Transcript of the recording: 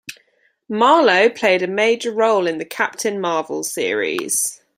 Marlo played a major role in the "Captain Marvel" series.